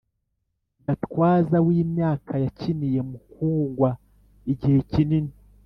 Gatwaza w’imyaka yakiniye Mukugwa igihe kinini